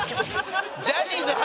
ジャニーズ初！